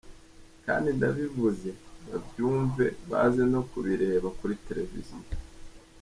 Kandi ndabivuze babyumve baze no kubireba kuri televizion.